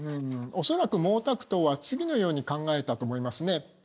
おそらく毛沢東は次のように考えたと思いますね。